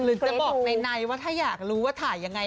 หรือจะบอกในว่าถ้าอยากรู้ว่าถ่ายยังไง